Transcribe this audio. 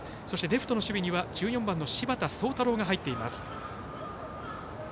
そしてレフトの守備には１４番の柴田壮太朗が入ります。